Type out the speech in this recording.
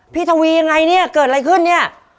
ทวียังไงเนี่ยเกิดอะไรขึ้นเนี่ย